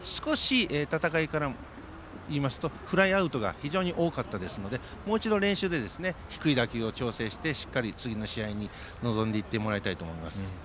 戦いからいいますとフライアウトが非常に多かったですのでもう一度、練習で低い打球を調整して、次の試合に臨んでいってもらいたいと思います。